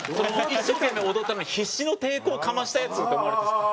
一生懸命踊ったのに必死の抵抗をかましたヤツって思われてしまって。